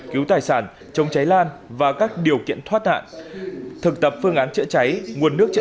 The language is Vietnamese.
cứu tài sản chống cháy lan và các điều kiện thoát nạn thực tập phương án chữa cháy nguồn nước chữa